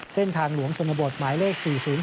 เส้นทางหลวงชนบทหมายเลข๔๐๔